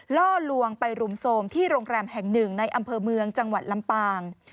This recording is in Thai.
ล่อลวงไปรุมโทรมที่โรงแรมแห่งหนึ่งในอำเภอเมืองจังหวัดลำปาง